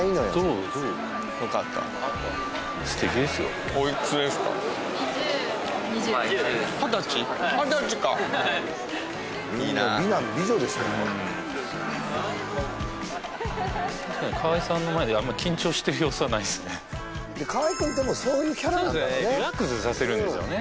そうそう素敵ですよはい２０歳か河合さんの前であんま緊張してる様子はないっすね河合くんってもうそういうキャラなんだろうねリラックスさせるんですよね